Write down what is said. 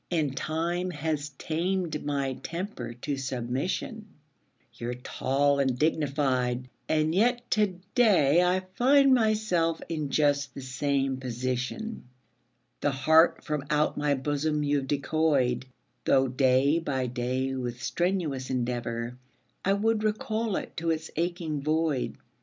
And time has tamed my temper to submission. You're tall and dignified, and yet to day I find myself in just the same position. The heart from out my bosom you've decoyed, Though day by day with strenuous endeavour I would recall it to its aching void.